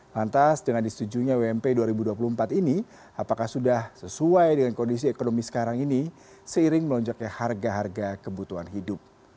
lantas dengan disetujunya ump dua ribu dua puluh empat ini apakah sudah sesuai dengan kondisi ekonomi sekarang ini seiring melonjaknya harga harga kebutuhan hidup